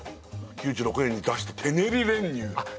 ９６年に出した手練り練乳あっ